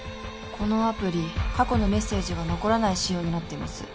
このアプリ過去のメッセージが残らない仕様になっています